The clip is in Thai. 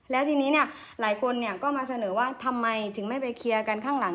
แล้วทีนี้เนี่ยหลายคนก็มาเสนอว่าทำไมถึงไม่ไปเคลียร์กันข้างหลัง